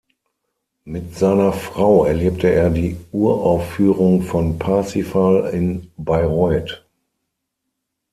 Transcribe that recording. Mit seiner Frau erlebte er die Uraufführung von Parsifal in Bayreuth.